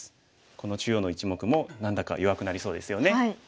この中央の一目も何だか弱くなりそうですよね。